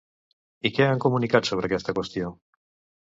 I què han comunicat sobre aquesta qüestió?